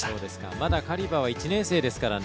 まだカリバは１年ですからね。